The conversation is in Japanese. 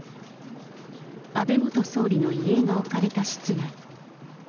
安倍元総理の遺影が置かれた室内。